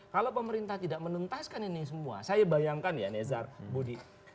kalau pemerintah tidak menuntaskan ini semua saya bayangkan ya nezar budi